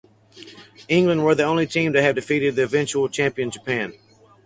England were the only team to have defeated the eventual champion Japan.